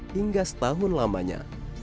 hingga setahun lamanya